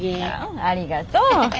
ありがとう。